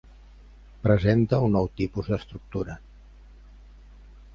Presenta un nou tipus d'estructura.